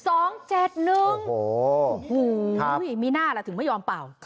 โอ้โหมีหน้าล่ะถึงไม่ยอมเป่า